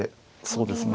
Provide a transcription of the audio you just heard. そうですね。